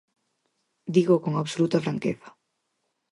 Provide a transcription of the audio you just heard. Dígoo con absoluta franqueza.